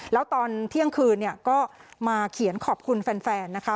แล้วตอนเที่ยงคืนเนี่ยก็มาเขียนขอบคุณแฟนนะคะ